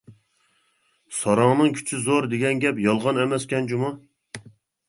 «ساراڭنىڭ كۈچى زور» دېگەن گەپ يالغان ئەمەسكەن جۇمۇ.